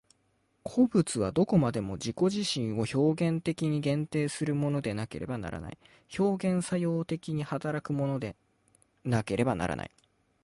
個物とはどこまでも自己自身を表現的に限定するものでなければならない、表現作用的に働くものでなければならない。